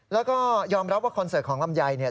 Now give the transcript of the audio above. แล้วก็ยอมรับว่าคอนเสิร์ตของลำไยเนี่ย